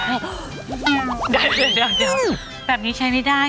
เดี๋ยวแบบนี้ใช้ไม่ได้ค่ะ